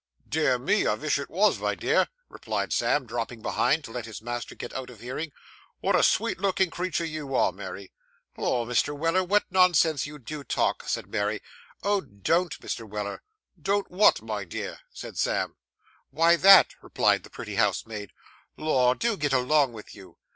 'Dear me I vish it vos, my dear,' replied Sam, dropping behind, to let his master get out of hearing. 'Wot a sweet lookin' creetur you are, Mary!' 'Lor', Mr. Weller, what nonsense you do talk!' said Mary. 'Oh! don't, Mr. Weller.' 'Don't what, my dear?' said Sam. 'Why, that,' replied the pretty housemaid. 'Lor, do get along with you.